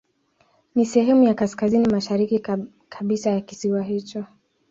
Ni sehemu ya kaskazini mashariki kabisa ya kisiwa hicho.